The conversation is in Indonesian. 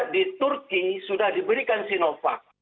di turki sudah diberikan sinovac